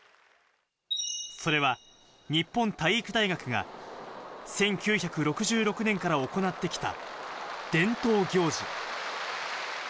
それは日本体育大学が１９６６年から行ってきた伝統行事。